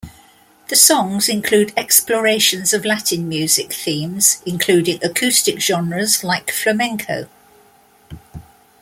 The songs include explorations of Latin music themes, including acoustic genres like flamenco.